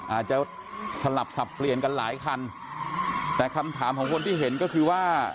อาจจะสลับสับเปลี่ยนกันหลายคันแต่คำถามของคนที่เห็นก็คือว่า